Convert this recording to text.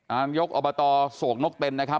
ยกอบตโศกนกเต็นนะครับ